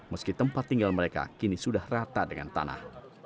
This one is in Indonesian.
meski tempat tinggal mereka kini sudah rata dengan tanah